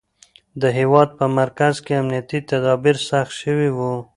د هېواد په مرکز کې امنیتي تدابیر سخت شوي وو.